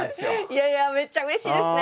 いやいやめっちゃうれしいですね